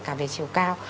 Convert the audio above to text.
cả về chiều cao